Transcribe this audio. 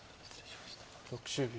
６０秒。